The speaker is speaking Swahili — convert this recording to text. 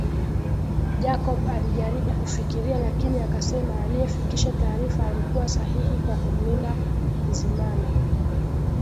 Jacob alijaribu kufikiria lakini akasema aliyefikisha taarifa alikuwa sahihi kwa kumlinda Hakizimana